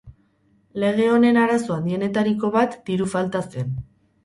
Lege honen arazo handienetariko bat diru falta zen.